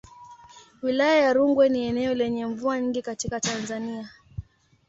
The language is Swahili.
Wilaya ya Rungwe ni eneo lenye mvua nyingi katika Tanzania.